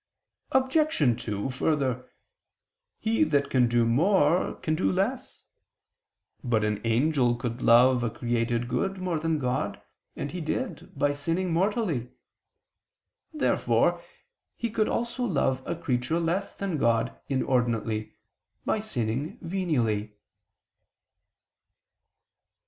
Obj. 2: Further, He that can do more can do less. But an angel could love a created good more than God, and he did, by sinning mortally. Therefore he could also love a creature less than God inordinately, by sinning venially.